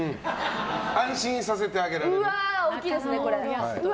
安心させてあげられる。